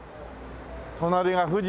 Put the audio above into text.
隣が富士山。